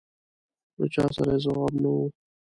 له چا سره یې ځواب نه و.